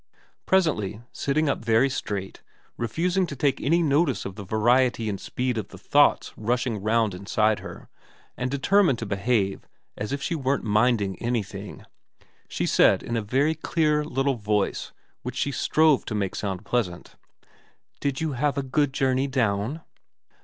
Presently, sitting up very straight, refusing to take any notice of the variety and speed of the thoughts rushing round inside her and determined to behave as if she weren't minding anything, she said in a very clear little voice which she strove to make sound pleasant, ' Did you have a good journey down